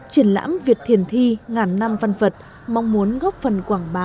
triển lãm việt thiền thi ngàn năm văn vật mong muốn góp phần quảng bá